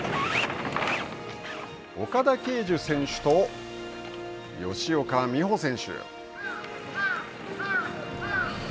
岡田奎樹選手と吉岡美帆選手。